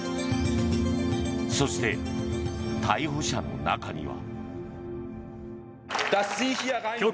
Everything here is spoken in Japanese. そして、逮捕者の中には。